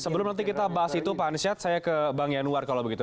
sebelum nanti kita bahas itu pak ansyad saya ke bang yanuar kalau begitu